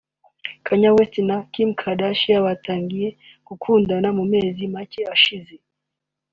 Kanye West na Kim Kardashian batangiye gukundana mu mezi make ashize